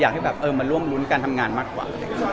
อยากให้แบบเออมาร่วมรุ้นการทำงานมากกว่า